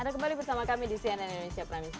anda kembali bersama kami di cnn indonesia prime news